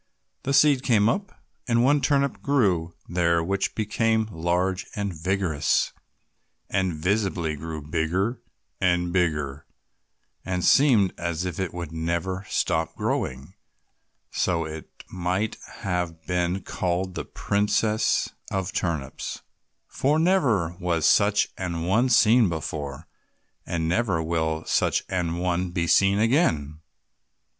The seed came up, and one turnip grew there which became large and vigorous, and visibly grew bigger and bigger, and seemed as if it would never stop growing, so that it might have been called the princess of turnips, for never was such an one seen before, and never will such an one be seen again.